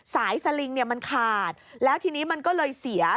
สายสลิงมันขาดแล้วทีนี้มันก็เลยเสีย